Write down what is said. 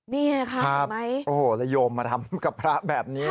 นี่ค่ะมั้ยโอ้โหแต่โยมมาทำกับพระแบบนี้นะ